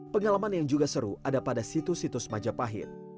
pengalaman yang juga seru ada pada situs situs majapahit